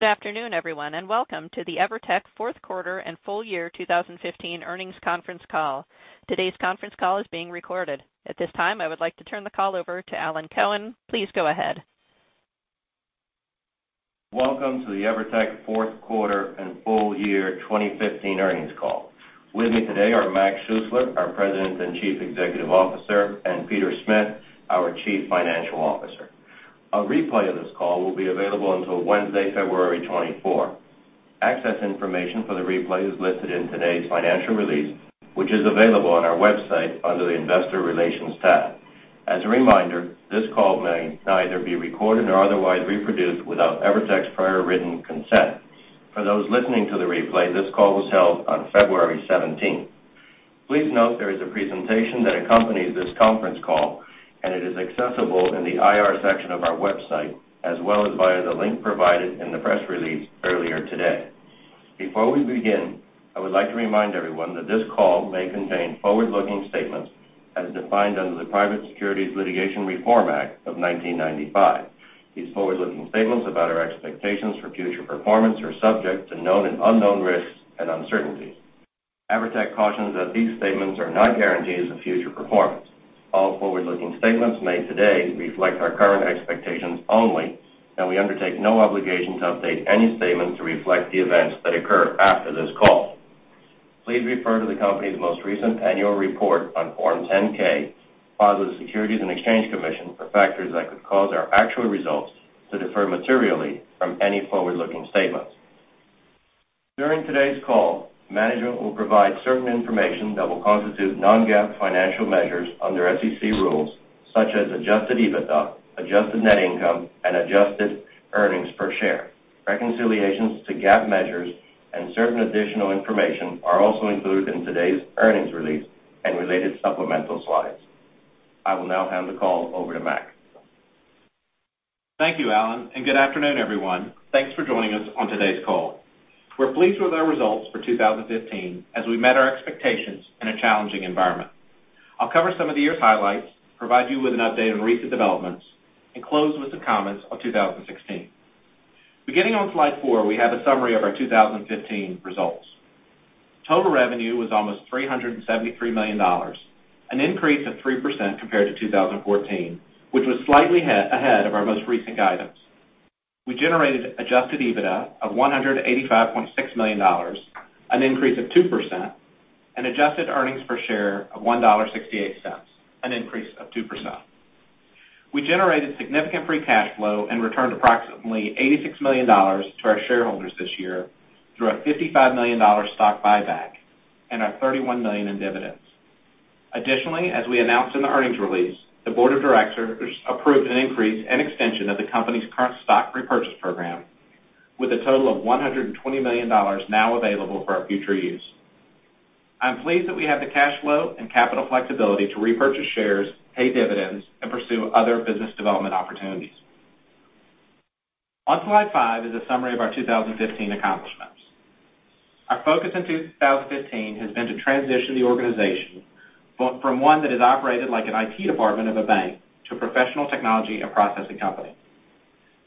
Good afternoon, everyone, and welcome to the EVERTEC fourth quarter and full year 2015 earnings conference call. Today's conference call is being recorded. At this time, I would like to turn the call over to Alan Cohen. Please go ahead. Welcome to the EVERTEC fourth quarter and full year 2015 earnings call. With me today are Mac Schuessler, our President and Chief Executive Officer, and Peter Smith, our Chief Financial Officer. A replay of this call will be available until Wednesday, February 24. Access information for the replay is listed in today's financial release, which is available on our website under the Investor Relations tab. As a reminder, this call may neither be recorded nor otherwise reproduced without EVERTEC's prior written consent. For those listening to the replay, this call was held on February 17th. Please note there is a presentation that accompanies this conference call, and it is accessible in the IR section of our website, as well as via the link provided in the press release earlier today. Before we begin, I would like to remind everyone that this call may contain forward-looking statements as defined under the Private Securities Litigation Reform Act of 1995. These forward-looking statements about our expectations for future performance are subject to known and unknown risks and uncertainties. EVERTEC cautions that these statements are not guarantees of future performance. All forward-looking statements made today reflect our current expectations only. We undertake no obligation to update any statement to reflect the events that occur after this call. Please refer to the company's most recent annual report on Form 10-K filed with the Securities and Exchange Commission for factors that could cause our actual results to differ materially from any forward-looking statement. During today's call, management will provide certain information that will constitute non-GAAP financial measures under SEC rules, such as adjusted EBITDA, adjusted net income, and adjusted earnings per share. Reconciliations to GAAP measures and certain additional information are also included in today's earnings release and related supplemental slides. I will now hand the call over to Mac. Thank you, Alan, and good afternoon, everyone. Thanks for joining us on today's call. We're pleased with our results for 2015 as we met our expectations in a challenging environment. I'll cover some of the year's highlights, provide you with an update on recent developments, and close with some comments on 2016. Beginning on slide four, we have a summary of our 2015 results. Total revenue was almost $373 million, an increase of 3% compared to 2014, which was slightly ahead of our most recent guidance. We generated adjusted EBITDA of $185.6 million, an increase of 2%, and adjusted earnings per share of $1.68, an increase of 2%. We generated significant free cash flow and returned approximately $86 million to our shareholders this year through our $55 million stock buyback and our $31 million in dividends. As we announced in the earnings release, the board of directors approved an increase and extension of the company's current stock repurchase program with a total of $120 million now available for our future use. I'm pleased that we have the cash flow and capital flexibility to repurchase shares, pay dividends, and pursue other business development opportunities. On slide five is a summary of our 2015 accomplishments. Our focus in 2015 has been to transition the organization from one that is operated like an IT department of a bank to a professional technology and processing company.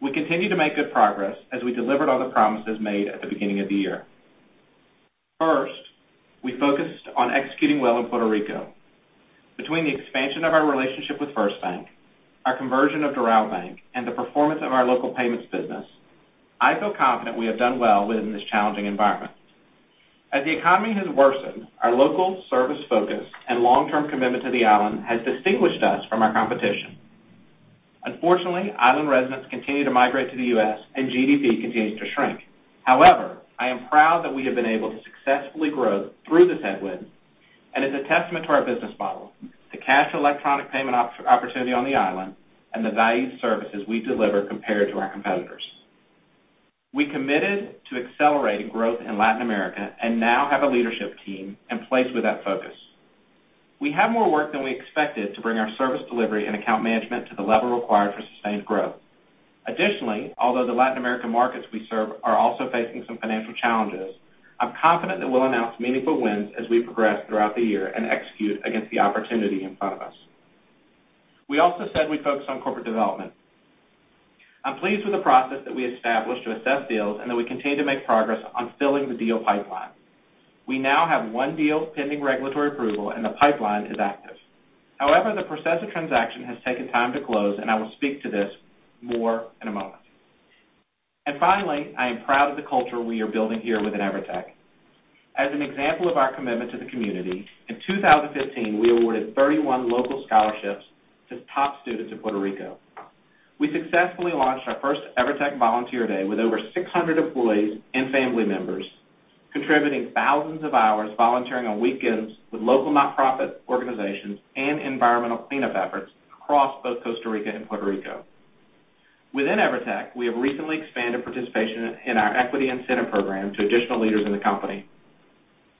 We continue to make good progress as we delivered on the promises made at the beginning of the year. First, we focused on executing well in Puerto Rico. Between the expansion of our relationship with FirstBank, our conversion of Doral Bank, and the performance of our local payments business, I feel confident we have done well within this challenging environment. As the economy has worsened, our local service focus and long-term commitment to the island has distinguished us from our competition. Unfortunately, island residents continue to migrate to the U.S., and GDP continues to shrink. However, I am proud that we have been able to successfully grow through this headwind, and it's a testament to our business model, the cash electronic payment opportunity on the island, and the valued services we deliver compared to our competitors. We committed to accelerating growth in Latin America and now have a leadership team in place with that focus. We have more work than we expected to bring our service delivery and account management to the level required for sustained growth. Although the Latin America markets we serve are also facing some financial challenges, I'm confident that we'll announce meaningful wins as we progress throughout the year and execute against the opportunity in front of us. We also said we'd focus on corporate development. I'm pleased with the process that we established to assess deals and that we continue to make progress on filling the deal pipeline. We now have one deal pending regulatory approval, and the pipeline is active. However, the Processa transaction has taken time to close, and I will speak to this more in a moment. Finally, I am proud of the culture we are building here within EVERTEC. As an example of our commitment to the community, in 2015, we awarded 31 local scholarships to top students in Puerto Rico. We successfully launched our first EVERTEC volunteer day with over 600 employees and family members contributing thousands of hours volunteering on weekends with local nonprofit organizations and environmental cleanup efforts across both Costa Rica and Puerto Rico. Within EVERTEC, we have recently expanded participation in our equity incentive program to additional leaders in the company.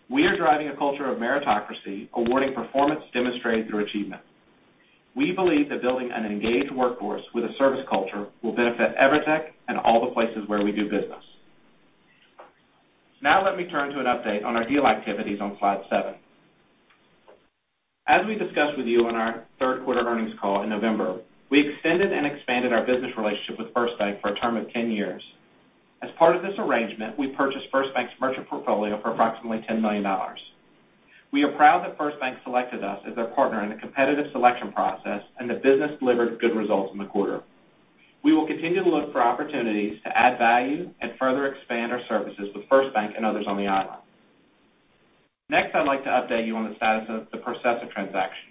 We are driving a culture of meritocracy, awarding performance demonstrated through achievement. We believe that building an engaged workforce with a service culture will benefit EVERTEC and all the places where we do business. Now let me turn to an update on our deal activities on slide seven. As we discussed with you on our third-quarter earnings call in November, we extended and expanded our business relationship with FirstBank for a term of 10 years. As part of this arrangement, we purchased FirstBank's merchant portfolio for approximately $10 million. We are proud that FirstBank selected us as their partner in a competitive selection process, and the business delivered good results in the quarter. We will continue to look for opportunities to add value and further expand our services with FirstBank and others on the island. Next, I'd like to update you on the status of the Processa transaction.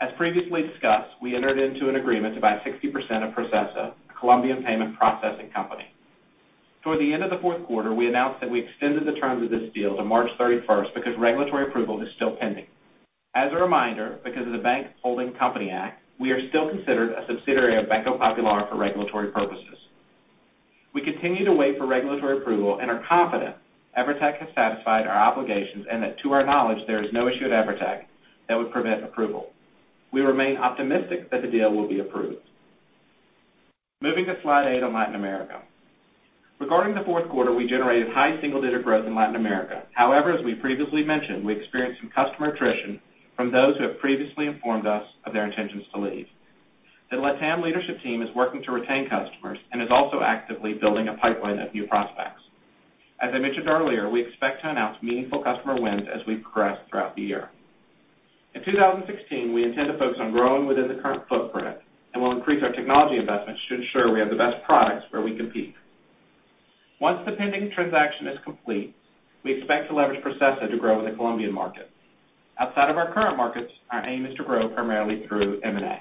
As previously discussed, we entered into an agreement to buy 60% of Processa, a Colombian payment processing company. Toward the end of the fourth quarter, we announced that we extended the terms of this deal to March 31st because regulatory approval is still pending. As a reminder, because of the Bank Holding Company Act, we are still considered a subsidiary of Banco Popular for regulatory purposes. We continue to wait for regulatory approval and are confident EVERTEC has satisfied our obligations and that, to our knowledge, there is no issue at EVERTEC that would prevent approval. We remain optimistic that the deal will be approved. Moving to slide eight on Latin America. Regarding the fourth quarter, we generated high single-digit growth in Latin America. However, as we previously mentioned, we experienced some customer attrition from those who have previously informed us of their intentions to leave. The Latam leadership team is working to retain customers and is also actively building a pipeline of new prospects. As I mentioned earlier, we expect to announce meaningful customer wins as we progress throughout the year. In 2016, we intend to focus on growing within the current footprint and will increase our technology investments to ensure we have the best products where we compete. Once the pending transaction is complete, we expect to leverage Processa to grow in the Colombian market. Outside of our current markets, our aim is to grow primarily through M&A.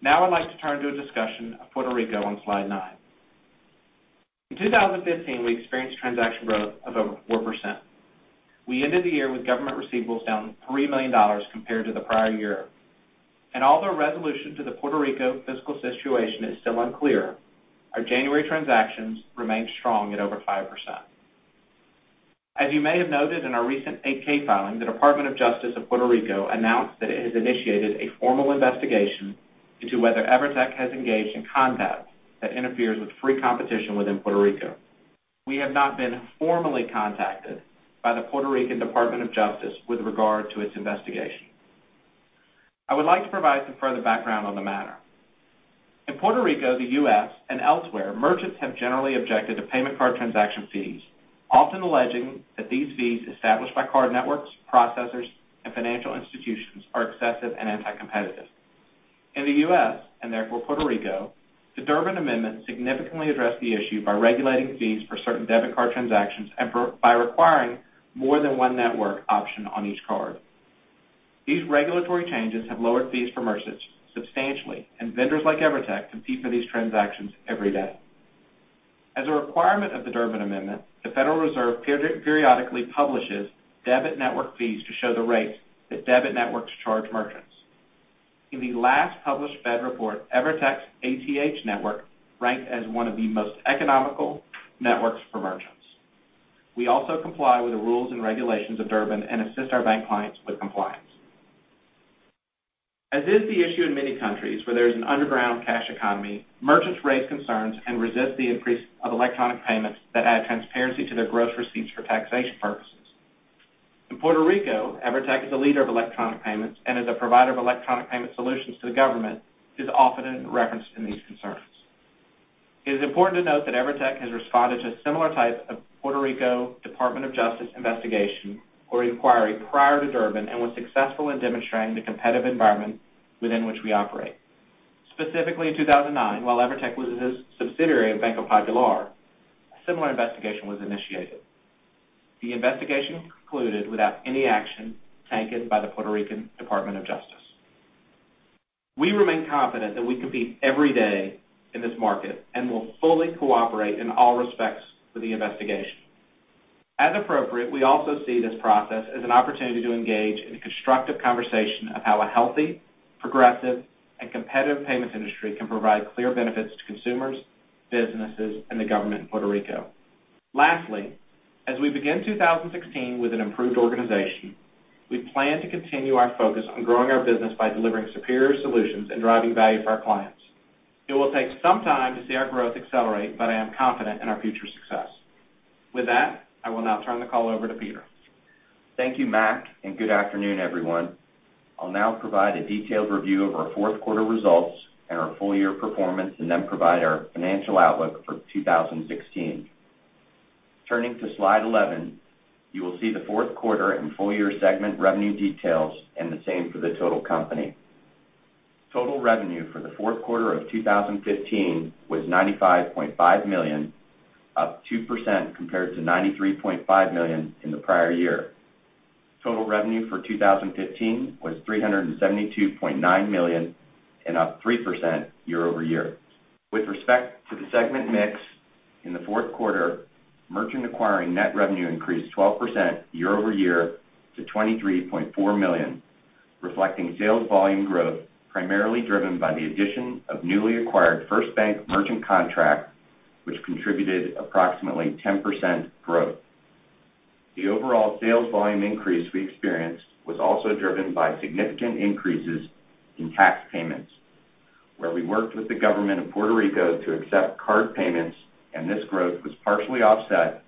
Now I'd like to turn to a discussion of Puerto Rico on slide nine. In 2015, we experienced transaction growth of over 4%. We ended the year with government receivables down $3 million compared to the prior year. Although resolution to the Puerto Rico fiscal situation is still unclear, our January transactions remained strong at over 5%. As you may have noted in our recent 8-K filing, the Department of Justice of Puerto Rico announced that it has initiated a formal investigation into whether EVERTEC has engaged in conduct that interferes with free competition within Puerto Rico. We have not been formally contacted by the Puerto Rican Department of Justice with regard to its investigation. I would like to provide some further background on the matter. In Puerto Rico, the U.S., and elsewhere, merchants have generally objected to payment card transaction fees, often alleging that these fees established by card networks, processors, and financial institutions are excessive and anti-competitive. In the U.S., and therefore Puerto Rico, the Durbin Amendment significantly addressed the issue by regulating fees for certain debit card transactions and by requiring more than one network option on each card. These regulatory changes have lowered fees for merchants substantially, and vendors like EVERTEC compete for these transactions every day. As a requirement of the Durbin Amendment, the Federal Reserve periodically publishes debit network fees to show the rates that debit networks charge merchants. In the last published Fed report, EVERTEC's ATH network ranked as one of the most economical networks for merchants. We also comply with the rules and regulations of Durbin and assist our bank clients with compliance. As is the issue in many countries where there is an underground cash economy, merchants raise concerns and resist the increase of electronic payments that add transparency to their gross receipts for taxation purposes. In Puerto Rico, EVERTEC is a leader of electronic payments and is a provider of electronic payment solutions to the government, is often referenced in these concerns. It is important to note that EVERTEC has responded to similar types of Department of Justice of Puerto Rico investigation or inquiry prior to Durbin and was successful in demonstrating the competitive environment within which we operate. Specifically, in 2009, while EVERTEC was a subsidiary of Banco Popular, a similar investigation was initiated. The investigation concluded without any action taken by the Department of Justice of Puerto Rico. We remain confident that we compete every day in this market and will fully cooperate in all respects with the investigation. As appropriate, we also see this process as an opportunity to engage in a constructive conversation of how a healthy, progressive, and competitive payments industry can provide clear benefits to consumers, businesses, and the government in Puerto Rico. Lastly, as we begin 2016 with an improved organization, we plan to continue our focus on growing our business by delivering superior solutions and driving value for our clients. It will take some time to see our growth accelerate, but I am confident in our future success. With that, I will now turn the call over to Peter. Thank you, Mac, and good afternoon, everyone. I'll now provide a detailed review of our fourth quarter results and our full-year performance, and then provide our financial outlook for 2016. Turning to slide 11, you will see the fourth quarter and full-year segment revenue details, and the same for the total company. Total revenue for the fourth quarter of 2015 was $95.5 million, up 2% compared to $93.5 million in the prior year. Total revenue for 2015 was $372.9 million and up 3% year-over-year. With respect to the segment mix in the fourth quarter, merchant acquiring net revenue increased 12% year-over-year to $23.4 million, reflecting sales volume growth primarily driven by the addition of newly acquired FirstBank merchant contract, which contributed approximately 10% growth. The overall sales volume increase we experienced was also driven by significant increases in tax payments. Where we worked with the Government of Puerto Rico to accept card payments, this growth was partially offset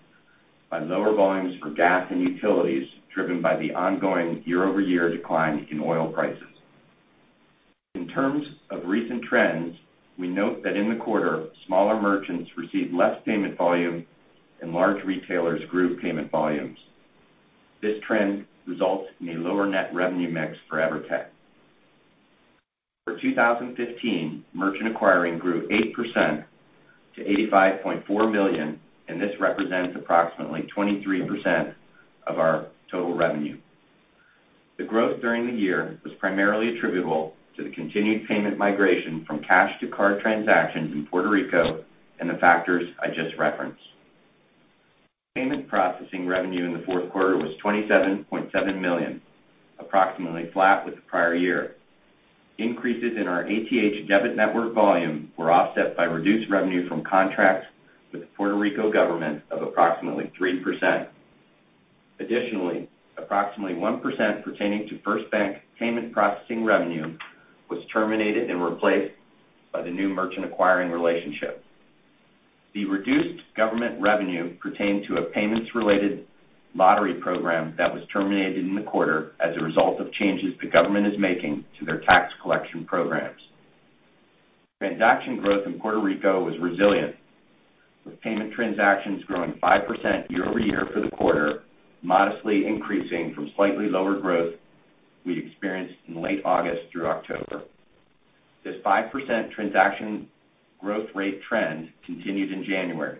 by lower volumes for gas and utilities, driven by the ongoing year-over-year decline in oil prices. In terms of recent trends, we note that in the quarter, smaller merchants received less payment volume and large retailers grew payment volumes. This trend results in a lower net revenue mix for EVERTEC. For 2015, merchant acquiring grew 8% to $85.4 million, this represents approximately 23% of our total revenue. The growth during the year was primarily attributable to the continued payment migration from cash to card transactions in Puerto Rico and the factors I just referenced. Payment processing revenue in the fourth quarter was $27.7 million, approximately flat with the prior year. Increases in our ATH debit network volume were offset by reduced revenue from contracts with the Puerto Rico Government of approximately 3%. Additionally, approximately 1% pertaining to FirstBank payment processing revenue was terminated and replaced by the new merchant acquiring relationship. The reduced government revenue pertained to a payments-related lottery program that was terminated in the quarter as a result of changes the government is making to their tax collection programs. Transaction growth in Puerto Rico was resilient, with payment transactions growing 5% year-over-year for the quarter, modestly increasing from slightly lower growth we experienced in late August through October. This 5% transaction growth rate trend continued in January.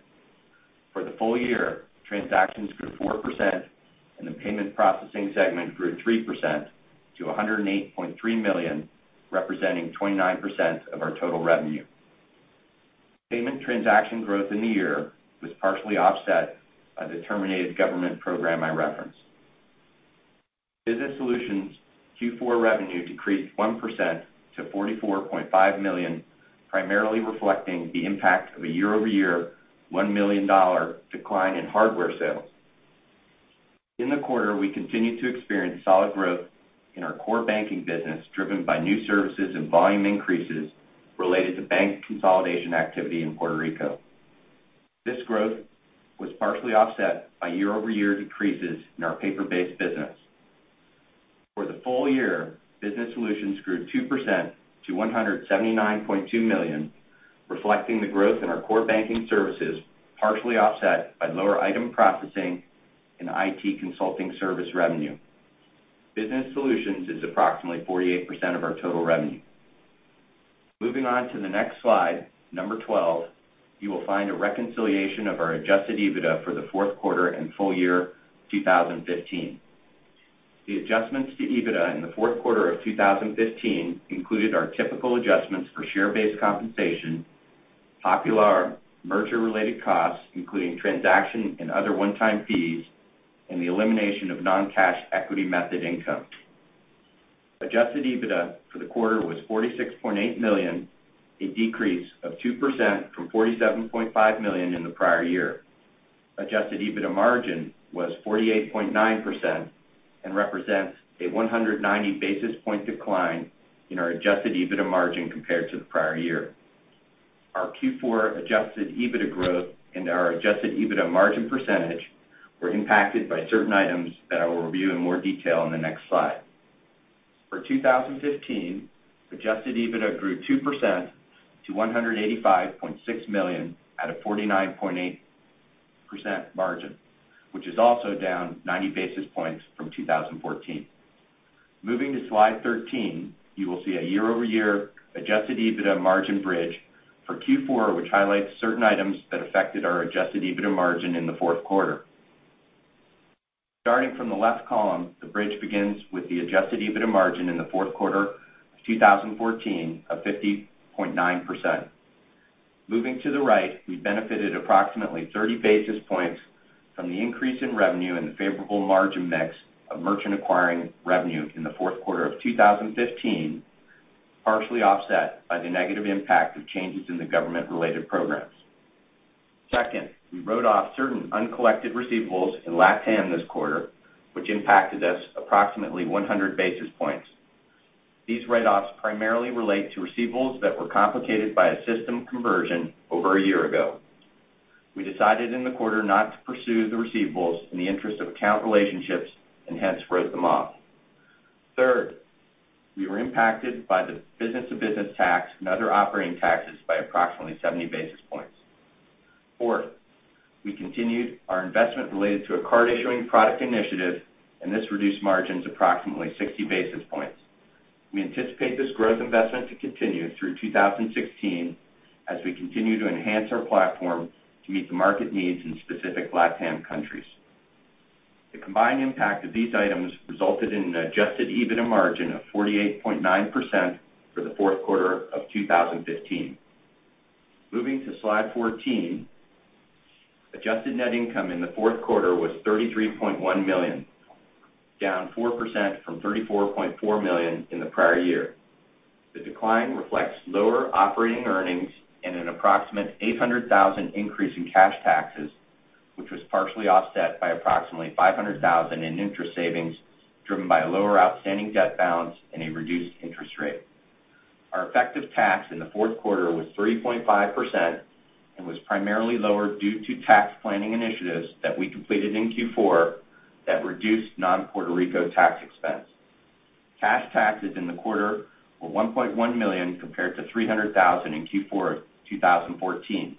For the full year, transactions grew 4%, the payment processing segment grew 3% to $108.3 million, representing 29% of our total revenue. Payment transaction growth in the year was partially offset by the terminated government program I referenced. Business Solutions Q4 revenue decreased 1% to $44.5 million, primarily reflecting the impact of a year-over-year $1 million decline in hardware sales. In the quarter, we continued to experience solid growth in our core banking business, driven by new services and volume increases related to bank consolidation activity in Puerto Rico. This growth was partially offset by year-over-year decreases in our paper-based business. For the full year, Business Solutions grew 2% to $179.2 million, reflecting the growth in our core banking services, partially offset by lower item processing and IT consulting service revenue. Business Solutions is approximately 48% of our total revenue. Moving on to the next slide, number 12, you will find a reconciliation of our adjusted EBITDA for the fourth quarter and full year 2015. The adjustments to EBITDA in the fourth quarter of 2015 included our typical adjustments for share-based compensation, Popular merger-related costs, including transaction and other one-time fees, the elimination of non-cash equity method income. Adjusted EBITDA for the quarter was $46.8 million, a decrease of 2% from $47.5 million in the prior year. Adjusted EBITDA margin was 48.9% represents a 190-basis-point decline in our adjusted EBITDA margin compared to the prior year. Our Q4 adjusted EBITDA growth and our adjusted EBITDA margin percentage were impacted by certain items that I will review in more detail on the next slide. For 2015, adjusted EBITDA grew 2% to $185.6 million at a 49.8% margin, which is also down 90 basis points from 2014. Moving to slide 13, you will see a year-over-year adjusted EBITDA margin bridge for Q4, which highlights certain items that affected our adjusted EBITDA margin in the fourth quarter. Starting from the left column, the bridge begins with the adjusted EBITDA margin in the fourth quarter of 2014 of 50.9%. Moving to the right, we benefited approximately 30 basis points from the increase in revenue and the favorable margin mix of merchant acquiring revenue in the fourth quarter of 2015, partially offset by the negative impact of changes in the government-related programs. Second, we wrote off certain uncollected receivables in LatAm this quarter, which impacted us approximately 100 basis points. These write-offs primarily relate to receivables that were complicated by a system conversion over a year ago. We decided in the quarter not to pursue the receivables in the interest of account relationships and hence wrote them off. Third, we were impacted by the business-to-business tax and other operating taxes by approximately 70 basis points. Fourth, we continued our investment related to a card-issuing product initiative, and this reduced margins approximately 60 basis points. We anticipate this growth investment to continue through 2016 as we continue to enhance our platform to meet the market needs in specific LatAm countries. The combined impact of these items resulted in an adjusted EBITDA margin of 48.9% for the fourth quarter of 2015. Moving to slide 14, adjusted net income in the fourth quarter was $33.1 million, down 4% from $34.4 million in the prior year. The decline reflects lower operating earnings and an approximate $800,000 increase in cash taxes, which was partially offset by approximately $500,000 in interest savings, driven by a lower outstanding debt balance and a reduced interest rate. Our effective tax in the fourth quarter was 3.5% and was primarily lower due to tax planning initiatives that we completed in Q4 that reduced non-Puerto Rico tax expense. Cash taxes in the quarter were $1.1 million compared to $300,000 in Q4 of 2014.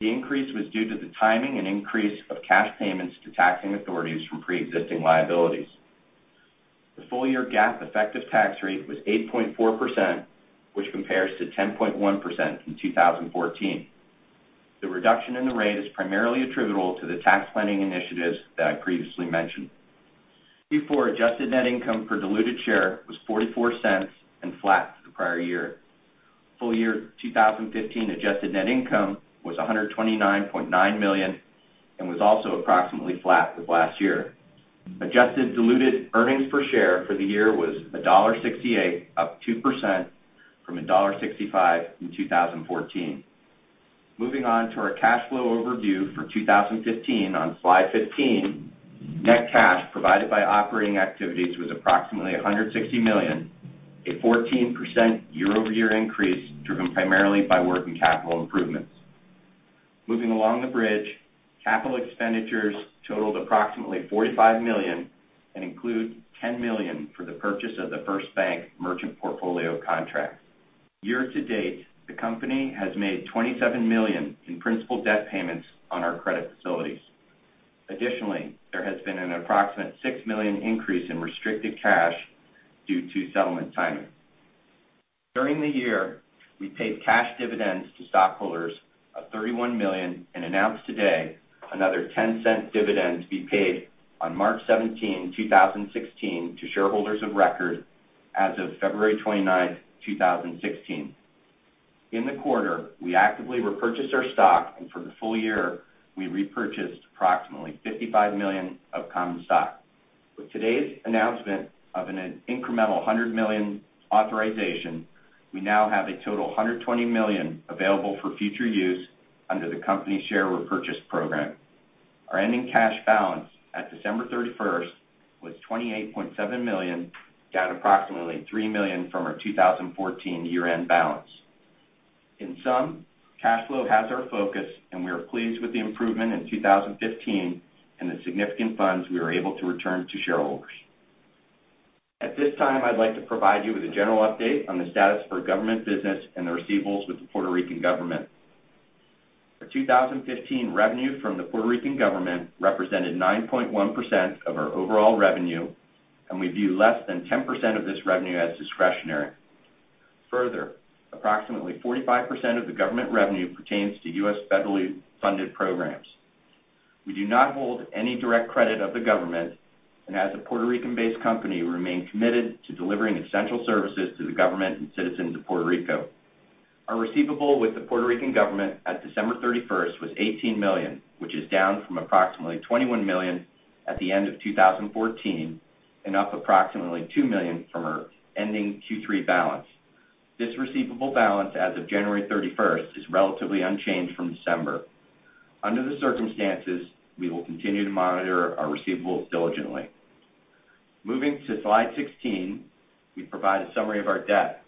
The increase was due to the timing and increase of cash payments to taxing authorities from preexisting liabilities. The full-year GAAP effective tax rate was 8.4%, which compares to 10.1% in 2014. The reduction in the rate is primarily attributable to the tax planning initiatives that I previously mentioned. Q4 adjusted net income per diluted share was $0.44 and flat to the prior year. Full year 2015 adjusted net income was $129.9 million and was also approximately flat with last year. Adjusted diluted earnings per share for the year was $1.68, up 2% from $1.65 in 2014. Moving on to our cash flow overview for 2015 on slide 15. Net cash provided by operating activities was approximately $160 million, a 14% year-over-year increase driven primarily by working capital improvements. Moving along the bridge, capital expenditures totaled approximately $45 million and include $10 million for the purchase of the FirstBank merchant portfolio contract. Year to date, the company has made $27 million in principal debt payments on our credit facilities. Additionally, there has been an approximate $6 million increase in restricted cash due to settlement timing. During the year, we paid cash dividends to stockholders of $31 million and announce today another $0.10 dividend to be paid on March 17, 2016, to shareholders of record as of February 29, 2016. In the quarter, we actively repurchased our stock, and for the full year, we repurchased approximately $55 million of common stock. With today's announcement of an incremental $100 million authorization, we now have a total $120 million available for future use under the company share repurchase program. Our ending cash balance at December 31st was $28.7 million, down approximately $3 million from our 2014 year-end balance. In sum, cash flow has our focus, and we are pleased with the improvement in 2015 and the significant funds we are able to return to shareholders. At this time, I'd like to provide you with a general update on the status of our government business and the receivables with the Puerto Rican government. Our 2015 revenue from the Puerto Rican government represented 9.1% of our overall revenue, and we view less than 10% of this revenue as discretionary. Further, approximately 45% of the government revenue pertains to U.S. federally funded programs. We do not hold any direct credit of the government, and as a Puerto Rican-based company, remain committed to delivering essential services to the government and citizens of Puerto Rico. Our receivable with the Puerto Rican government at December 31st was $18 million, which is down from approximately $21 million at the end of 2014 and up approximately $2 million from our ending Q3 balance. This receivable balance as of January 31st is relatively unchanged from December. Under the circumstances, we will continue to monitor our receivables diligently. Moving to slide 16, we provide a summary of our debt.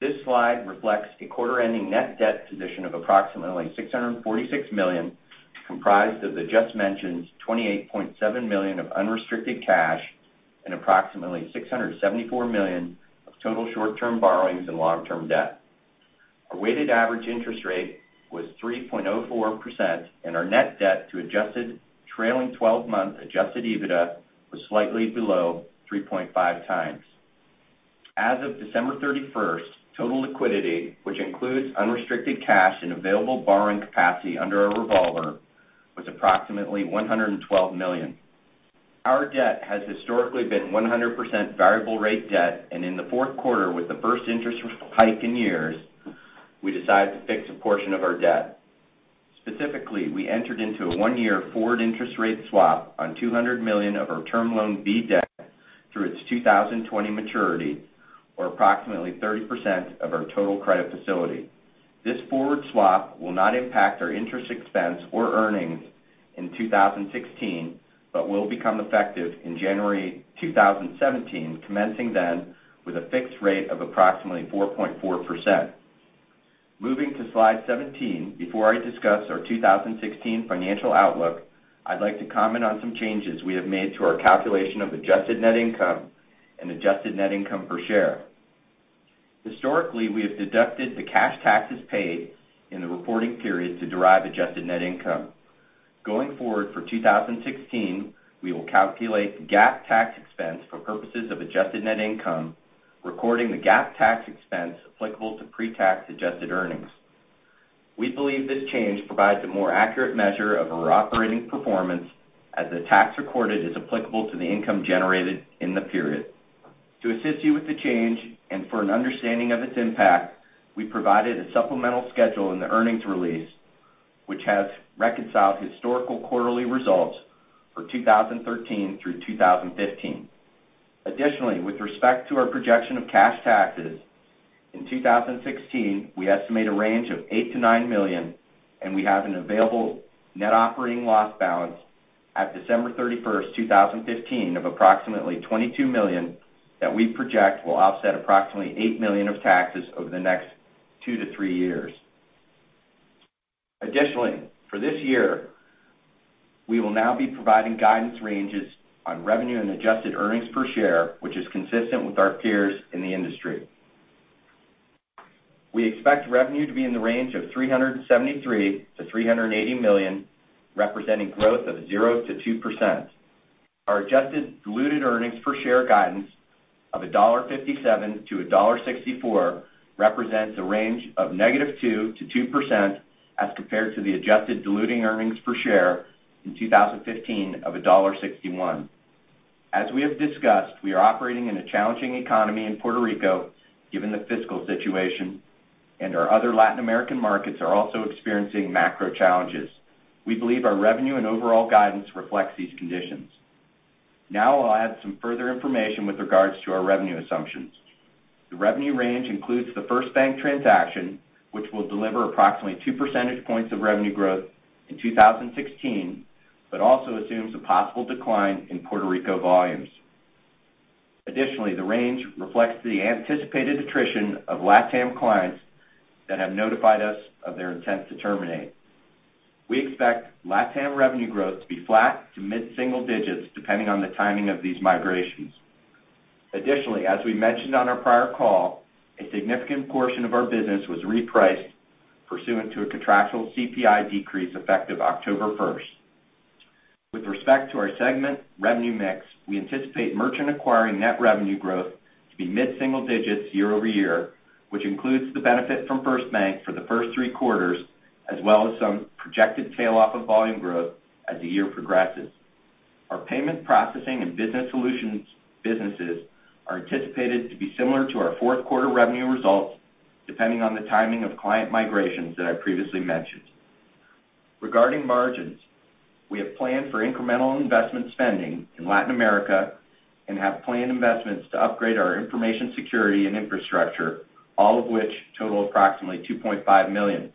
This slide reflects a quarter-ending net debt position of approximately $646 million, comprised of the just mentioned $28.7 million of unrestricted cash and approximately $674 million of total short-term borrowings and long-term debt. Our weighted average interest rate was 3.04%, and our net debt to trailing 12-month adjusted EBITDA was slightly below 3.5 times. As of December 31st, total liquidity, which includes unrestricted cash and available borrowing capacity under our revolver, was approximately $112 million. Our debt has historically been 100% variable rate debt, and in the fourth quarter, with the first interest rate hike in years, we decided to fix a portion of our debt. Specifically, we entered into a one-year forward interest rate swap on $200 million of our Term Loan B debt through its 2020 maturity, or approximately 30% of our total credit facility. This forward swap will not impact our interest expense or earnings in 2016, but will become effective in January 2017, commencing then with a fixed rate of approximately 4.4%. Moving to slide 17, before I discuss our 2016 financial outlook, I'd like to comment on some changes we have made to our calculation of adjusted net income and adjusted net income per share. Historically, we have deducted the cash taxes paid in the reporting period to derive adjusted net income. Going forward for 2016, we will calculate GAAP tax expense for purposes of adjusted net income, recording the GAAP tax expense applicable to pretax adjusted earnings. We believe this change provides a more accurate measure of our operating performance as the tax recorded is applicable to the income generated in the period. To assist you with the change and for an understanding of its impact, we provided a supplemental schedule in the earnings release, which has reconciled historical quarterly results for 2013 through 2015. With respect to our projection of cash taxes, in 2016, we estimate a range of $8 million-$9 million, and we have an available net operating loss balance at December 31st, 2015 of approximately $22 million that we project will offset approximately $8 million of taxes over the next two to three years. For this year, we will now be providing guidance ranges on revenue and adjusted earnings per share, which is consistent with our peers in the industry. We expect revenue to be in the range of $373 million-$380 million, representing growth of 0%-2%. Our adjusted diluted earnings per share guidance of $1.57-$1.64 represents a range of -2%-2% as compared to the adjusted diluted earnings per share in 2015 of $1.61. As we have discussed, we are operating in a challenging economy in Puerto Rico, given the fiscal situation, and our other Latin American markets are also experiencing macro challenges. We believe our revenue and overall guidance reflects these conditions. I'll add some further information with regards to our revenue assumptions. The revenue range includes the FirstBank transaction, which will deliver approximately two percentage points of revenue growth in 2016, but also assumes a possible decline in Puerto Rico volumes. The range reflects the anticipated attrition of LatAm clients that have notified us of their intent to terminate. We expect LatAm revenue growth to be flat to mid-single digits, depending on the timing of these migrations. As we mentioned on our prior call, a significant portion of our business was repriced pursuant to a contractual CPI decrease effective October 1st. With respect to our segment revenue mix, we anticipate merchant acquiring net revenue growth to be mid-single digits year-over-year, which includes the benefit from FirstBank for the first three quarters, as well as some projected tail-off of volume growth as the year progresses. Our payment processing and business solutions businesses are anticipated to be similar to our fourth quarter revenue results, depending on the timing of client migrations that I previously mentioned. Regarding margins, we have planned for incremental investment spending in Latin America and have planned investments to upgrade our information security and infrastructure, all of which total approximately $2.5 million.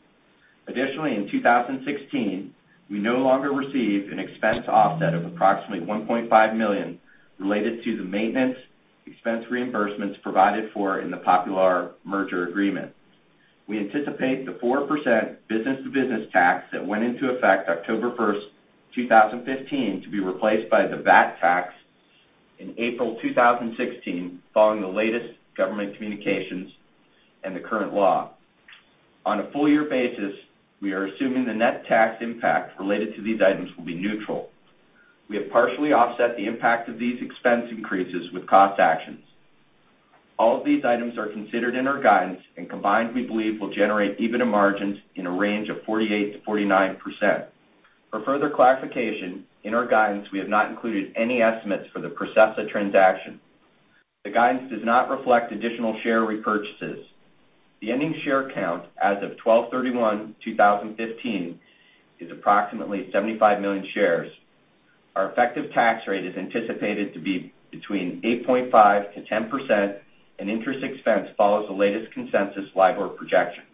In 2016, we no longer receive an expense offset of approximately $1.5 million related to the maintenance expense reimbursements provided for in the Popular merger agreement. We anticipate the 4% business-to-business tax that went into effect October 1st, 2015, to be replaced by the VAT tax in April 2016, following the latest government communications and the current law. On a full year basis, we are assuming the net tax impact related to these items will be neutral. We have partially offset the impact of these expense increases with cost actions. All of these items are considered in our guidance and combined we believe will generate EBITDA margins in a range of 48%-49%. For further clarification, in our guidance, we have not included any estimates for the Processa transaction. The guidance does not reflect additional share repurchases. The ending share count as of 12/31/2015 is approximately 75 million shares. Our effective tax rate is anticipated to be between 8.5%-10%, and interest expense follows the latest consensus LIBOR projections.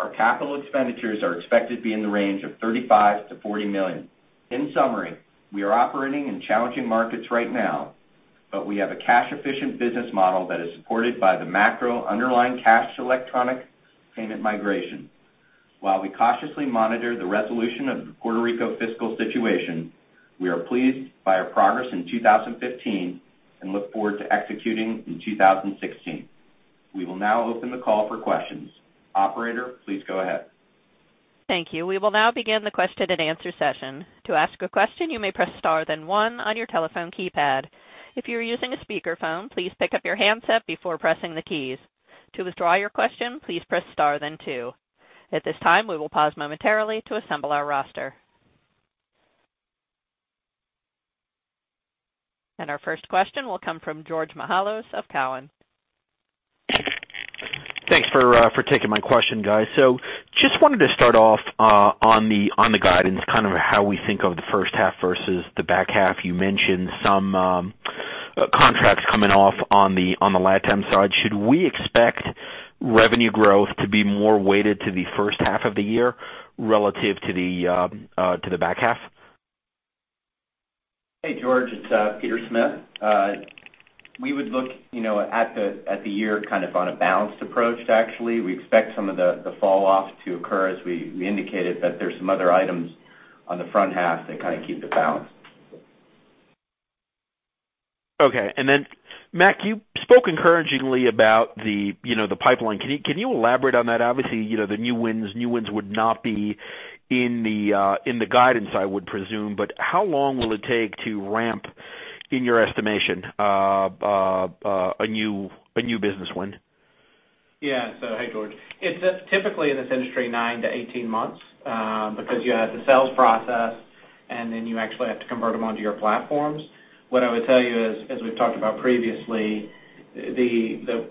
Our capital expenditures are expected to be in the range of $35 million-$40 million. In summary, we are operating in challenging markets right now, but we have a cash-efficient business model that is supported by the macro underlying cash electronic payment migration. While we cautiously monitor the resolution of the Puerto Rico fiscal situation, we are pleased by our progress in 2015 and look forward to executing in 2016. We will now open the call for questions. Operator, please go ahead. Thank you. We will now begin the question and answer session. To ask a question, you may press star then one on your telephone keypad. If you are using a speakerphone, please pick up your handset before pressing the keys. To withdraw your question, please press star then two. At this time, we will pause momentarily to assemble our roster. Our first question will come from George Mihalos of Cowen. Thanks for taking my question, guys. Just wanted to start off on the guidance, kind of how we think of the first half versus the back half. You mentioned some contracts coming off on the LatAm side. Should we expect revenue growth to be more weighted to the first half of the year relative to the back half? Hey, George. It's Peter Smith. We would look at the year kind of on a balanced approach, actually. We expect some of the fall off to occur, as we indicated, there's some other items on the front half that kind of keep the balance. Okay. Mac, you spoke encouragingly about the pipeline. Can you elaborate on that? Obviously, the new wins would not be in the guidance, I would presume, but how long will it take to ramp, in your estimation, a new business win? Yeah. Hey, George. It's typically in this industry 9 to 18 months because you have the sales process and then you actually have to convert them onto your platforms. What I would tell you is, as we've talked about previously, the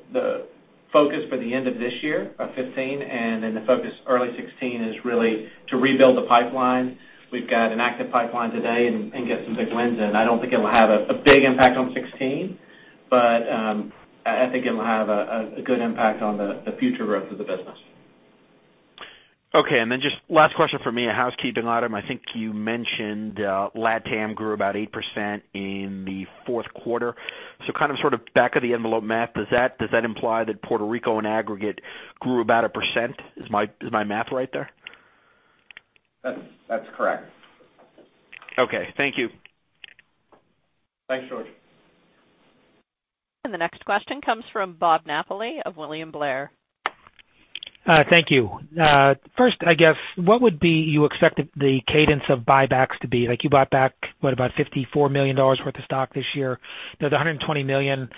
Focus for the end of this year, of 2015, and the focus early 2016 is really to rebuild the pipeline. We've got an active pipeline today and get some big wins in. I don't think it will have a big impact on 2016, but I think it will have a good impact on the future growth of the business. Okay. Just last question from me, a housekeeping item. I think you mentioned LatAm grew about 8% in the fourth quarter. Kind of back of the envelope math, does that imply that Puerto Rico in aggregate grew about 1%? Is my math right there? That's correct. Okay, thank you. Thanks, George. The next question comes from Robert Napoli of William Blair. Thank you. First, I guess, what would be you expect the cadence of buybacks to be? Like, you bought back, what, about $54 million worth of stock this year? The $120 million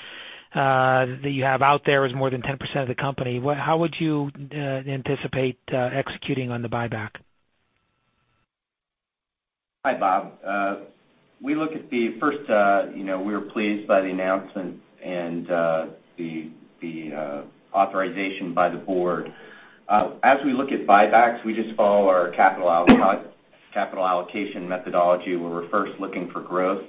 that you have out there is more than 10% of the company. How would you anticipate executing on the buyback? Hi, Bob. First, we were pleased by the announcement and the authorization by the board. As we look at buybacks, we just follow our capital allocation methodology, where we're first looking for growth.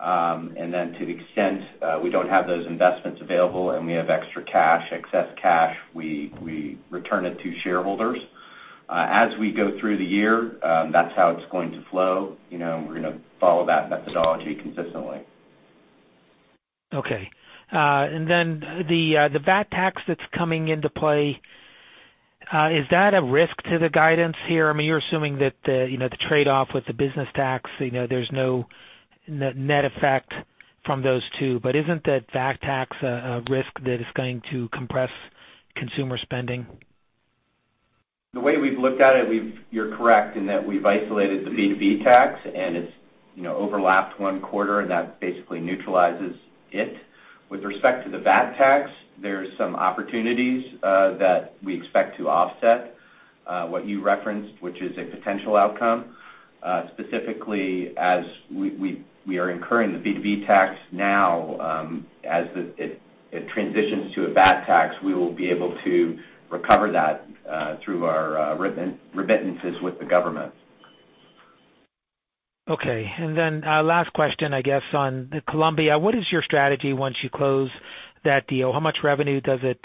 To the extent we don't have those investments available and we have extra cash, excess cash, we return it to shareholders. As we go through the year, that's how it's going to flow. We're going to follow that methodology consistently. Okay. The VAT tax that's coming into play, is that a risk to the guidance here? I mean, you're assuming that the trade-off with the business tax, there's no net effect from those two. Isn't that VAT tax a risk that is going to compress consumer spending? The way we've looked at it, you're correct in that we've isolated the B2B tax, it's overlapped one quarter, and that basically neutralizes it. With respect to the VAT tax, there are some opportunities that we expect to offset what you referenced, which is a potential outcome. Specifically, as we are incurring the B2B tax now, as it transitions to a VAT tax, we will be able to recover that through our remittances with the government. Okay. Last question, I guess, on Colombia. What is your strategy once you close that deal? How much revenue does it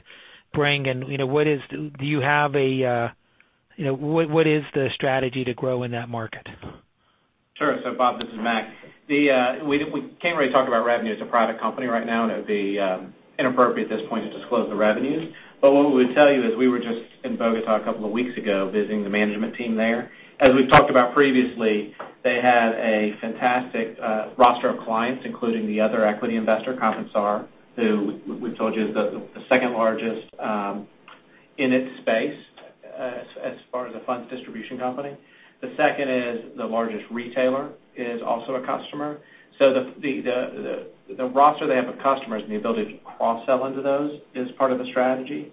bring? What is the strategy to grow in that market? Sure. Bob, this is Mac. We can't really talk about revenue as a private company right now, and it would be inappropriate at this point to disclose the revenues. What we would tell you is we were just in Bogota a couple of weeks ago visiting the management team there. As we've talked about previously, they have a fantastic roster of clients, including the other equity investor, Comfenalco Antioquia, who we've told you is the second largest in its space as far as a funds distribution company. The second is the largest retailer, is also a customer. The roster they have of customers and the ability to cross-sell into those is part of the strategy.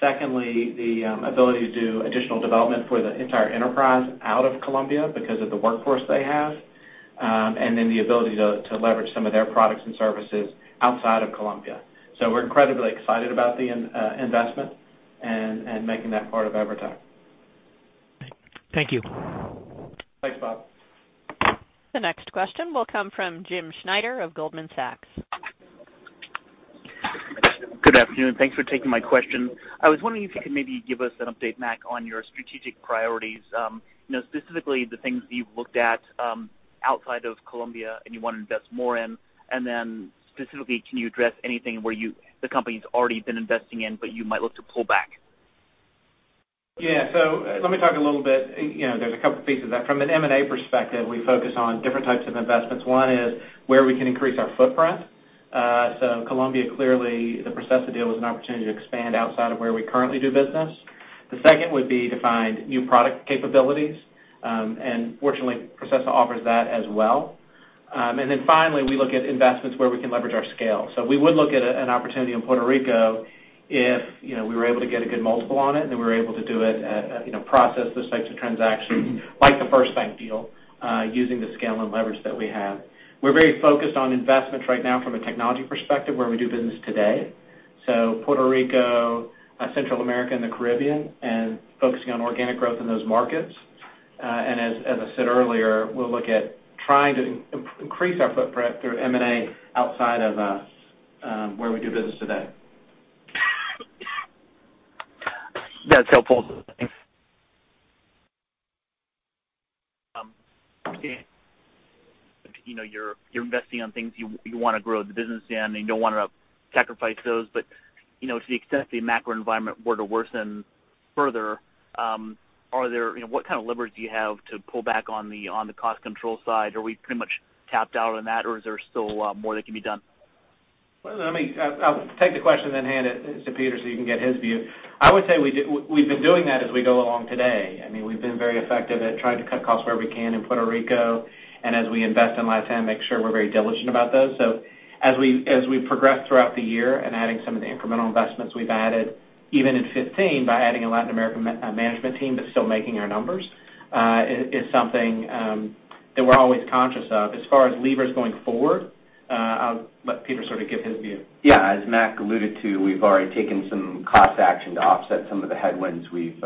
Secondly, the ability to do additional development for the entire enterprise out of Colombia because of the workforce they have, the ability to leverage some of their products and services outside of Colombia. We're incredibly excited about the investment and making that part of EVERTEC. Thank you. Thanks, Bob. The next question will come from James Schneider of Goldman Sachs. Good afternoon. Thanks for taking my question. I was wondering if you could maybe give us an update, Mac, on your strategic priorities. Specifically, the things that you've looked at outside of Colombia and you want to invest more in. Specifically, can you address anything where the company's already been investing in, but you might look to pull back? Yeah. Let me talk a little bit. There's a couple pieces. From an M&A perspective, we focus on different types of investments. One is where we can increase our footprint. Colombia, clearly the Processa deal was an opportunity to expand outside of where we currently do business. The second would be to find new product capabilities. Fortunately, Processa offers that as well. Finally, we look at investments where we can leverage our scale. We would look at an opportunity in Puerto Rico if we were able to get a good multiple on it, and we were able to do it at a process, those types of transactions, like the FirstBank deal, using the scale and leverage that we have. We're very focused on investments right now from a technology perspective where we do business today. Puerto Rico, Central America, and the Caribbean, and focusing on organic growth in those markets. As I said earlier, we'll look at trying to increase our footprint through M&A outside of where we do business today. That's helpful. Thanks. You're investing on things you want to grow the business in, and you don't want to sacrifice those. To the extent the macro environment were to worsen further, what kind of leverage do you have to pull back on the cost control side? Are we pretty much tapped out on that, or is there still more that can be done? Well, I'll take the question, then hand it to Peter so you can get his view. I would say we've been doing that as we go along today. I mean, we've been very effective at trying to cut costs where we can in Puerto Rico, and as we invest in LatAm, make sure we're very diligent about those. As we progress throughout the year and adding some of the incremental investments we've added even in 2015, by adding a Latin American management team but still making our numbers, is something that we're always conscious of. As far as levers going forward, I'll let Peter sort of give his view. Yeah. As Mac alluded to, we've already taken some cost action to offset some of the headwinds we've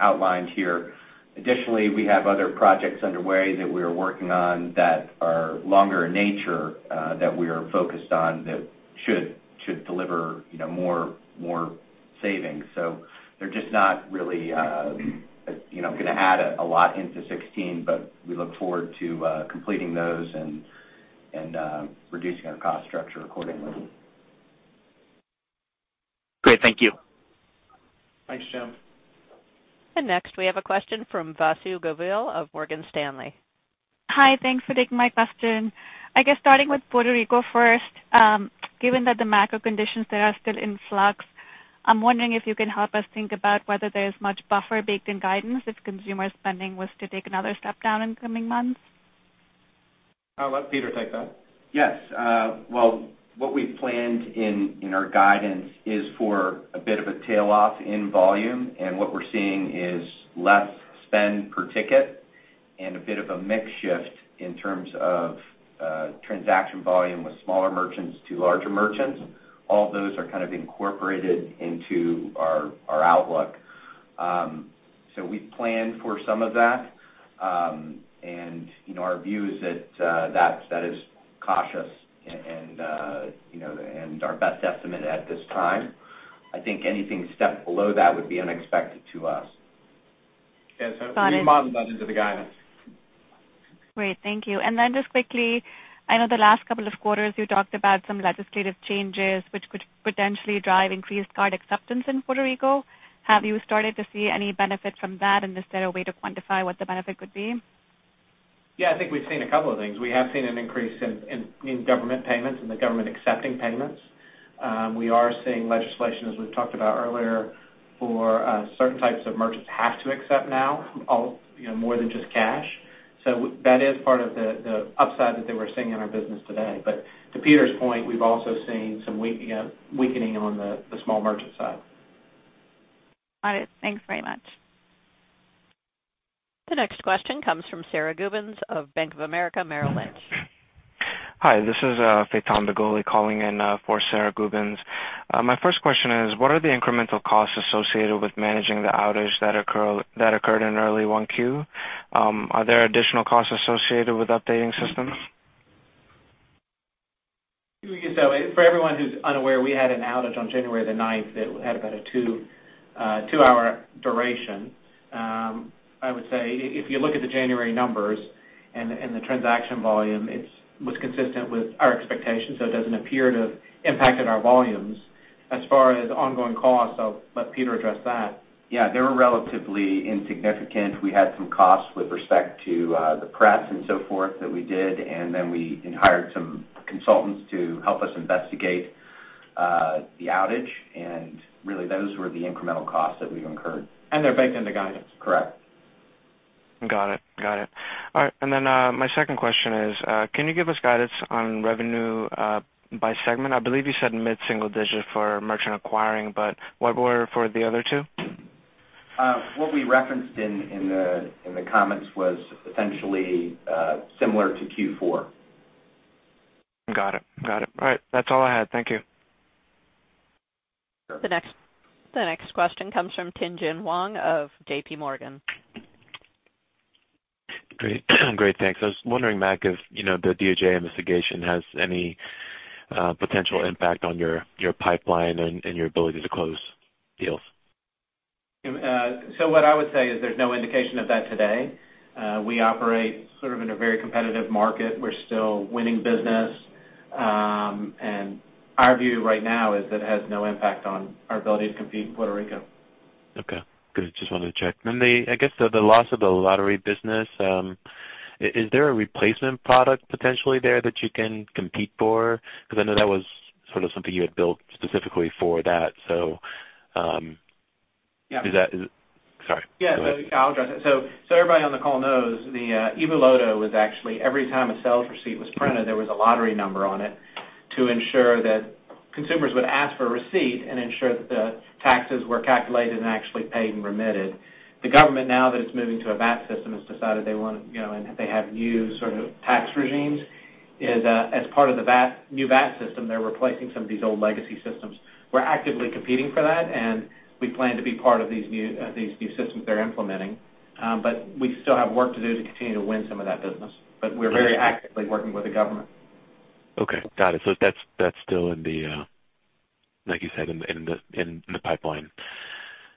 outlined here. Additionally, we have other projects underway that we are working on that are longer in nature that we are focused on that should deliver more savings. They're just not really going to add a lot into 2016, but we look forward to completing those and reducing our cost structure accordingly. Great. Thank you. Thanks, Jim. Next we have a question from Vasundhara Govil of Morgan Stanley. Hi. Thanks for taking my question. I guess starting with Puerto Rico first. Given that the macro conditions there are still in flux, I'm wondering if you can help us think about whether there's much buffer baked in guidance if consumer spending was to take another step down in coming months. I'll let Peter take that. Well, what we've planned in our guidance is for a bit of a tail off in volume, and what we're seeing is less spend per ticket and a bit of a mix shift in terms of transaction volume with smaller merchants to larger merchants. All those are kind of incorporated into our outlook. We've planned for some of that. Our view is that is cautious and our best estimate at this time. I think anything a step below that would be unexpected to us. Yes. We've modeled that into the guidance. Great. Thank you. Just quickly, I know the last couple of quarters you talked about some legislative changes which could potentially drive increased card acceptance in Puerto Rico. Have you started to see any benefit from that, and is there a way to quantify what the benefit could be? Yeah, I think we've seen a couple of things. We have seen an increase in government payments and the government accepting payments. We are seeing legislation, as we've talked about earlier, for certain types of merchants have to accept now more than just cash. That is part of the upside that we're seeing in our business today. To Peter's point, we've also seen some weakening on the small merchant side. Got it. Thanks very much. The next question comes from Sara Gubins of Bank of America Merrill Lynch. Hi, this is Jason Deleeuw calling in for Sara Gubins. My first question is, what are the incremental costs associated with managing the outage that occurred in early Q1? Are there additional costs associated with updating systems? For everyone who's unaware, we had an outage on January the ninth that had about a two-hour duration. I would say if you look at the January numbers and the transaction volume, it was consistent with our expectations, so it doesn't appear to have impacted our volumes. As far as ongoing costs, I'll let Peter address that. They were relatively insignificant. We had some costs with respect to the press and so forth that we did, we hired some consultants to help us investigate the outage, those were the incremental costs that we've incurred. They're baked into guidance. Correct. Got it. All right. My second question is can you give us guidance on revenue by segment? I believe you said mid-single digit for merchant acquiring, what were for the other two? What we referenced in the comments was essentially similar to Q4. Got it. All right. That's all I had. Thank you. The next question comes from Tien-tsin Huang of J.P. Morgan. Great. Thanks. I was wondering, Mac, if the DOJ investigation has any potential impact on your pipeline and your ability to close deals. What I would say is there's no indication of that today. We operate sort of in a very competitive market. We're still winning business. Our view right now is it has no impact on our ability to compete in Puerto Rico. Okay. Good. Just wanted to check. The, I guess, the loss of the lottery business. Is there a replacement product potentially there that you can compete for? I know that was sort of something you had built specifically for that. Yeah. Is that? Sorry. Yeah, no. I'll address it. Everybody on the call knows the EVO LOTO was actually every time a sales receipt was printed, there was a lottery number on it to ensure that consumers would ask for a receipt and ensure that the taxes were calculated and actually paid and remitted. The government, now that it's moving to a VAT system, has decided they want. They have new sort of tax regimes. As part of the new VAT system, they're replacing some of these old legacy systems. We're actively competing for that, and we plan to be part of these new systems they're implementing. We still have work to do to continue to win some of that business, but we're very actively working with the government. Okay. Got it. That's still in the, like you said, in the pipeline.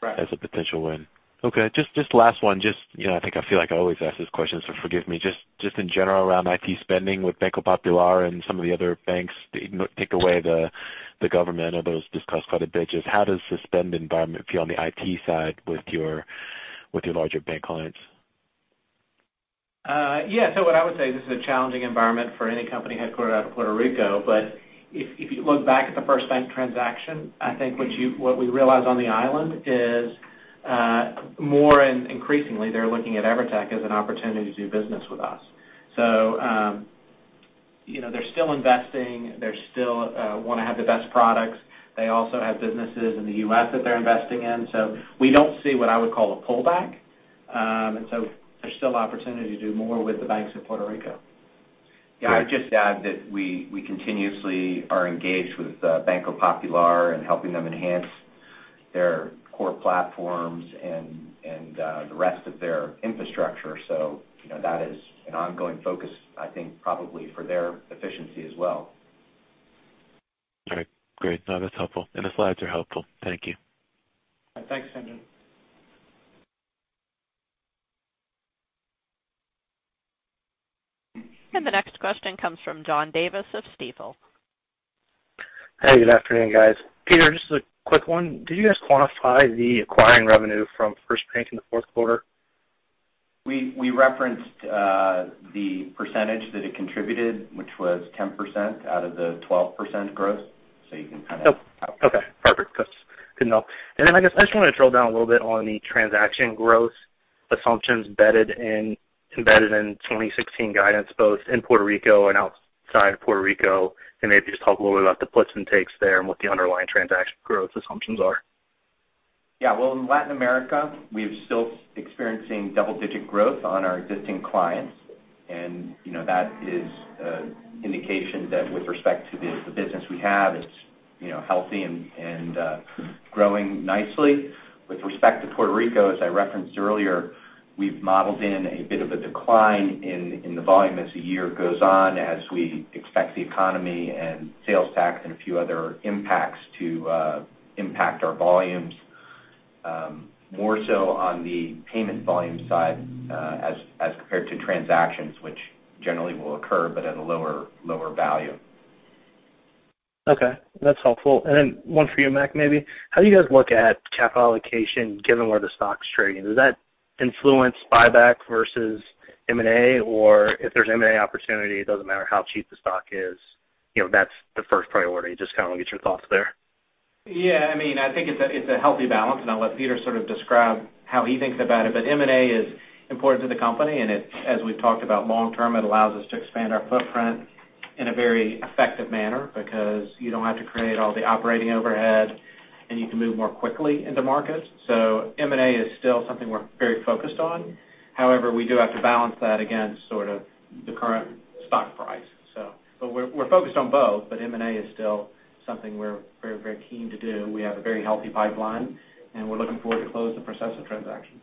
Right as a potential win. Last one. I think I feel like I always ask this question, so forgive me. In general around IT spending with Banco Popular and some of the other banks, take away the government or those discussed [credit issues]. How does the spend environment feel on the IT side with your larger bank clients? What I would say, this is a challenging environment for any company headquartered out of Puerto Rico. If you look back at the FirstBank transaction, I think what we realized on the island is more and increasingly they're looking at EVERTEC as an opportunity to do business with us. They're still investing. They still want to have the best products. They also have businesses in the U.S. that they're investing in. We don't see what I would call a pullback. There's still opportunity to do more with the banks of Puerto Rico. I would just add that we continuously are engaged with Banco Popular in helping them enhance their core platforms and the rest of their infrastructure. That is an ongoing focus, I think, probably for their efficiency as well. Great. That's helpful. The slides are helpful. Thank you. Thanks, Tien-tsin. The next question comes from John Davis of Stifel. Hey, good afternoon, guys. Peter, just a quick one. Did you guys quantify the acquiring revenue from FirstBank in the fourth quarter? We referenced the percentage that it contributed, which was 10% out of the 12% growth. Okay. Perfect. Good to know. Then I guess I just wanted to drill down a little bit on the transaction growth assumptions embedded in 2016 guidance, both in Puerto Rico and outside Puerto Rico, and maybe just talk a little bit about the puts and takes there and what the underlying transaction growth assumptions are. Yeah. Well, in Latin America, we're still experiencing double-digit growth on our existing clients, and that is an indication that with respect to the business we have, it's healthy and growing nicely. With respect to Puerto Rico, as I referenced earlier, we've modeled in a bit of a decline in the volume as the year goes on, as we expect the economy and sales tax and a few other impacts to impact our volumes, more so on the payment volume side as compared to transactions, which generally will occur, but at a lower value. Okay, that's helpful. Then one for you, Mac, maybe. How do you guys look at capital allocation given where the stock's trading? Does that influence buyback versus M&A? Or if there's M&A opportunity, it doesn't matter how cheap the stock is, that's the first priority. Just kind of want to get your thoughts there. Yeah, I think it's a healthy balance, I'll let Peter sort of describe how he thinks about it. M&A is important to the company, as we've talked about long term, it allows us to expand our footprint in a very effective manner because you don't have to create all the operating overhead, and you can move more quickly into markets. M&A is still something we're very focused on. However, we do have to balance that against sort of the current stock price. We're focused on both, but M&A is still something we're very, very keen to do. We have a very healthy pipeline, and we're looking forward to close the Processa transaction.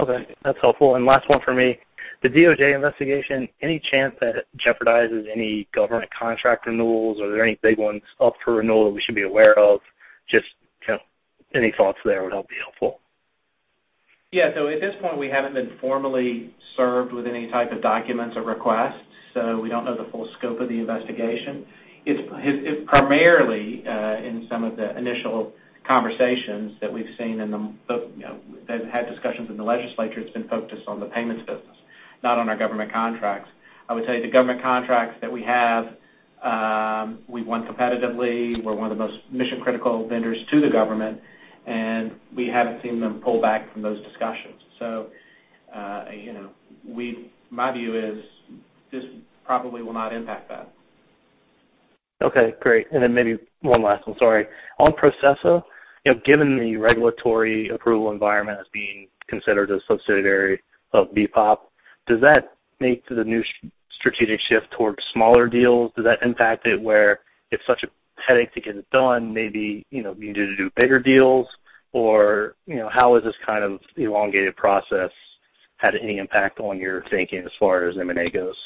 Okay, that's helpful. Last one from me. The DOJ investigation, any chance that it jeopardizes any government contract renewals? Are there any big ones up for renewal that we should be aware of? Just any thoughts there would be helpful. At this point, we haven't been formally served with any type of documents or requests, we don't know the full scope of the investigation. It's primarily in some of the initial conversations that we've seen, they've had discussions in the legislature, it's been focused on the payments business, not on our government contracts. I would say the government contracts that we have, we've won competitively. We're one of the most mission-critical vendors to the government, we haven't seen them pull back from those discussions. My view is this probably will not impact that. Okay, great. Maybe one last one, sorry. On Processa, given the regulatory approval environment as being considered a subsidiary of BPOP, does that make the new strategic shift towards smaller deals? Does that impact it where it's such a headache to get it done, maybe you need to do bigger deals, or how has this kind of elongated process had any impact on your thinking as far as M&A goes?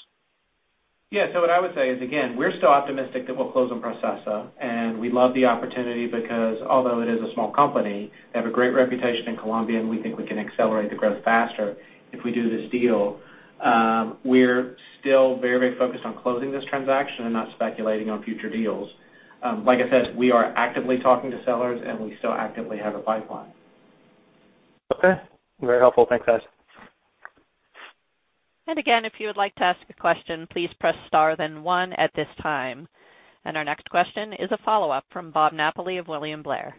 What I would say is, again, we're still optimistic that we'll close on Processa, we love the opportunity because although it is a small company, they have a great reputation in Colombia, we think we can accelerate the growth faster if we do this deal. We're still very focused on closing this transaction not speculating on future deals. Like I said, we are actively talking to sellers, we still actively have a pipeline. Okay. Very helpful. Thanks, guys. Again, if you would like to ask a question, please press star, then one at this time. Our next question is a follow-up from Robert Napoli of William Blair.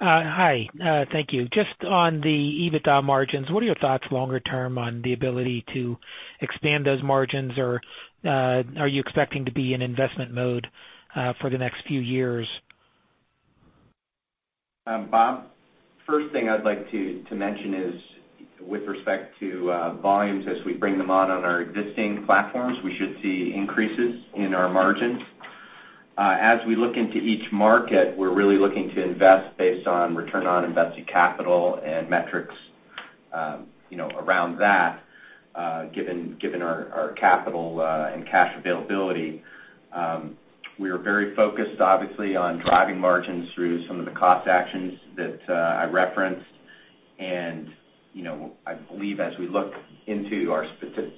Hi. Thank you. Just on the EBITDA margins, what are your thoughts longer term on the ability to expand those margins, or are you expecting to be in investment mode for the next few years? Bob, first thing I'd like to mention is with respect to volumes, as we bring them on our existing platforms, we should see increases in our margins. As we look into each market, we're really looking to invest based on return on invested capital and metrics around that given our capital and cash availability. We are very focused, obviously, on driving margins through some of the cost actions that I referenced. I believe as we look into our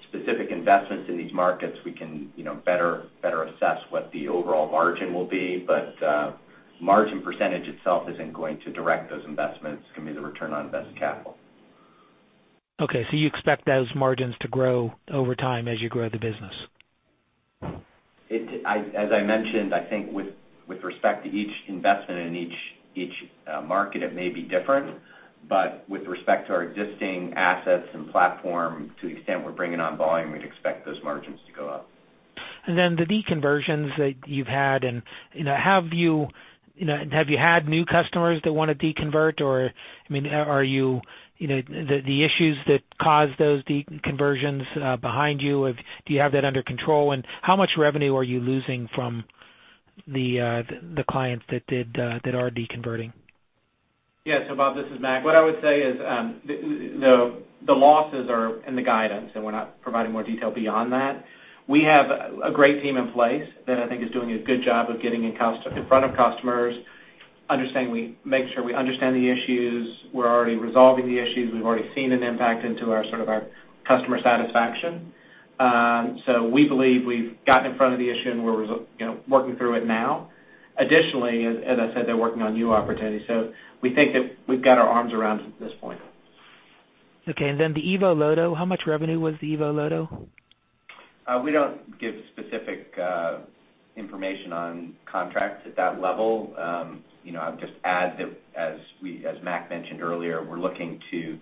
specific investments in these markets, we can better assess what the overall margin will be. Margin percentage itself isn't going to direct those investments. It's going to be the return on invested capital. Okay. You expect those margins to grow over time as you grow the business? As I mentioned, I think with respect to each investment in each market, it may be different, but with respect to our existing assets and platform, to the extent we're bringing on volume, we'd expect those margins to go up. The de-conversions that you've had, have you had new customers that want to de-convert? I mean, are the issues that caused those de-conversions behind you? Do you have that under control? How much revenue are you losing from the clients that are de-converting? Yeah. Bob, this is Mac. What I would say is, the losses are in the guidance, we're not providing more detail beyond that. We have a great team in place that I think is doing a good job of getting in front of customers, make sure we understand the issues. We're already resolving the issues. We've already seen an impact into our sort of our customer satisfaction. We believe we've gotten in front of the issue, we're working through it now. Additionally, as I said, they're working on new opportunities, we think that we've got our arms around it at this point. Okay, the EVO LOTO, how much revenue was the EVO LOTO? We don't give specific information on contracts at that level. I would just add that as Mac mentioned earlier, we're looking to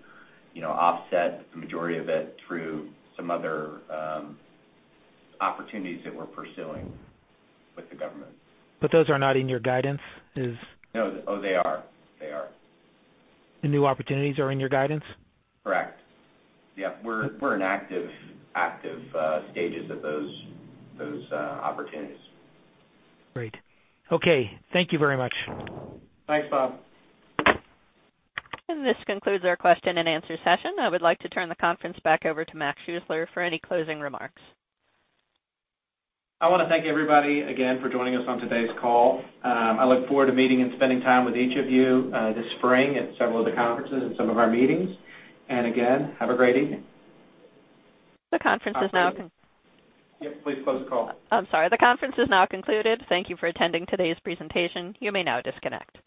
offset the majority of it through some other opportunities that we're pursuing with the government. Those are not in your guidance? No. Oh, they are The new opportunities are in your guidance? Correct. Yeah. We're in active stages of those opportunities. Great. Okay. Thank you very much. Thanks, Bob. This concludes our question and answer session. I would like to turn the conference back over to Mac Schuessler for any closing remarks. I want to thank everybody again for joining us on today's call. I look forward to meeting and spending time with each of you this spring at several of the conferences and some of our meetings. Again, have a great evening. The conference is now con- Yep, please close the call. I'm sorry. The conference is now concluded. Thank you for attending today's presentation. You may now disconnect.